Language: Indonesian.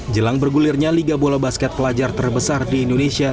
jelang bergulirnya liga bola basket pelajar terbesar di indonesia